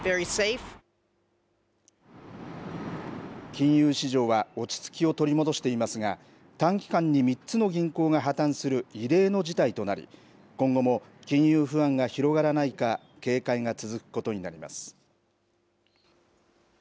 金融市場は落ち着きを取り戻していますが、短期間に３つの銀行が破綻する異例の事態となり、今後も金融不安が広がらないか、警戒が続くことになります。